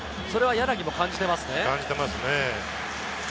それは柳も感じていますね。